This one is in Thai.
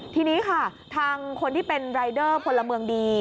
ทีนี้ค่ะทางคนที่เป็นรายเดอร์พลเมืองดี